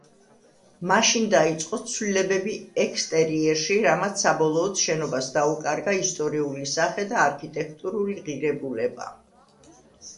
მაშინ დაიწყო ცვლილებები ექსტერიერში, რამაც საბოლოოდ შენობას დაუკარგა ისტორიული სახე და არქიტექტურული ღირებულება.